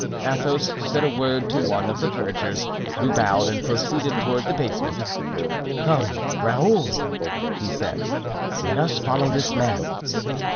Athos said a word to one of the vergers, who bowed and proceeded toward the basement. "Come, Raoul," he said, "let us follow this man."